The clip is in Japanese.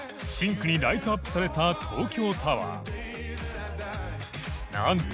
紅にライトアップされた東京タワー磴覆鵑